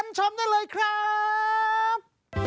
เชิญชมได้เลยครับ